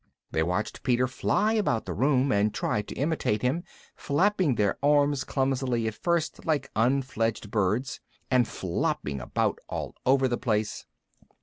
They watched Peter fly about the room, and tried to imitate him, flapping their arms clumsily at first like unfledged birds, and flopping about all over the place.